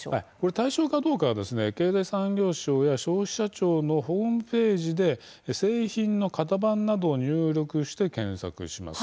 対象かどうかは経済産業省や消費者庁のホームページで製品の型番などを入力して検索します。